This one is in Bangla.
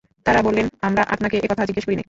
তারা বললেনঃ আমরা আপনাকে এ কথা জিজ্ঞেস করি নাই।